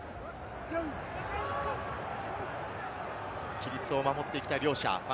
規律を守っていきたい両者。